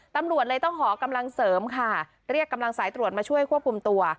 ตำรวจเลยต้องขอกำลังเสริมค่ะเรียกกำลังสายตรวจมาช่วยควบคุมตัว